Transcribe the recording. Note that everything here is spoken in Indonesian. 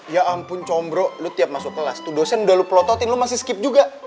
ya ampun combro lu tiap masuk kelas tuh dosen udah lu pelototin lu masih skip juga